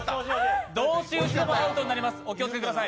同士討ちでもアウトになります、お気をつけください。